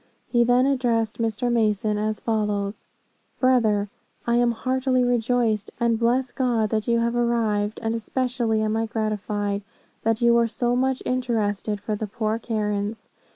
He then addressed Mr. Mason, as follows: 'Brother, I am heartily rejoiced, and bless God that you have arrived, and especially am I gratified, that you are so much interested for the poor Karens.